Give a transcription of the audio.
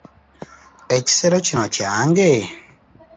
Ekisero kino kyange?